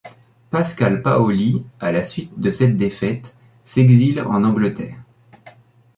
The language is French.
Pascal Paoli, à la suite de cette défaite, s'exile en Angleterre.